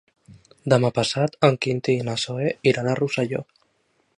Demà passat en Quintí i na Zoè iran a Rosselló.